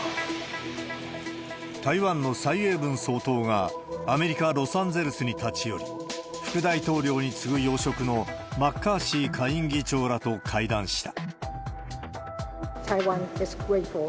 台湾の蔡英文総統が、アメリカ・ロサンゼルスに立ち寄り、副大統領に次ぐ要職の、マッカーシー下院議長らと会談した。